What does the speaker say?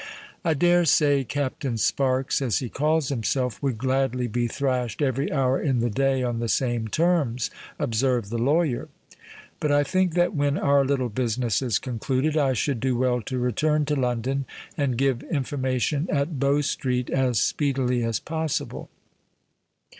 "I dare say Captain Sparks, as he calls himself, would gladly be thrashed every hour in the day on the same terms," observed the lawyer. "But I think that when our little business is concluded, I should do well to return to London and give information at Bow Street as speedily as possible."